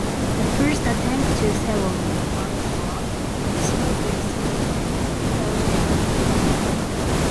The first attempt to settle Maroota, as a soldier-settlement, failed totally.